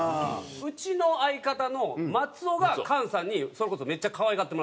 うちの相方の松尾が菅さんにそれこそめっちゃ可愛がってもらってるんですよ。